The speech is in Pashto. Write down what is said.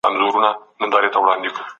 څېړنې د ټولنيزې بياکتنې بڼه خپله کړه.